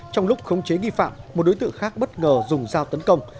trong lúc khống chế nghi phạm một đối tượng khác bất ngờ dùng dao tấn công